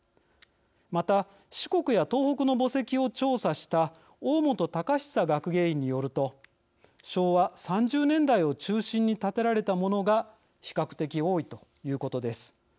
また、四国や東北の墓石を調査した大本敬久学芸員によると昭和３０年代を中心に建てられたものが比較的、多いということです。